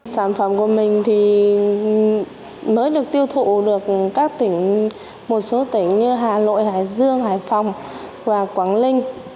sản phẩm của mình thì mới được tiêu thụ được các tỉnh một số tỉnh như hà nội hải dương hải phòng và quảng linh và một số tỉnh nẻ khác